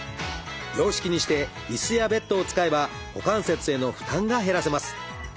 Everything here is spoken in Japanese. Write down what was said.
洋式にして椅子やベッドを使えば股関節への負担が減らせます。